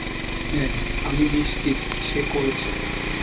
হ্যাঁ, আমি নিশ্চিত সে করেছে।